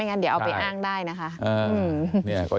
งั้นเดี๋ยวเอาไปอ้างได้นะคะ